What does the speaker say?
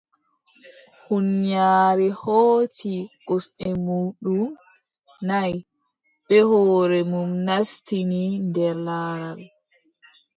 Huunyaare hooci kosɗe muuɗum nay, bee hoore mum naastini nder laral.